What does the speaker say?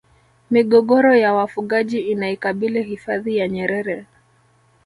migogoro ya wafugaji inaikabili hifadhi ya nyerere